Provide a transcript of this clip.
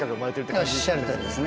まさにおっしゃるとおりですね。